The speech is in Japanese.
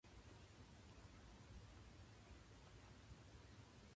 おはようございます世界